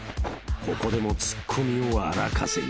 ［ここでもツッコミを荒稼ぎ］